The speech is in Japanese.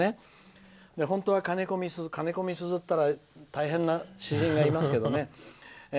本当はかねこみすずっていったら大変な詩人がいますけどね。